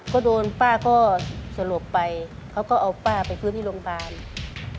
ก็โดนป้าก็สลบไปเขาก็เอาป้าไปพื้นที่โรงพยาบาล